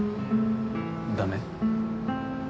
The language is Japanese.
ダメ？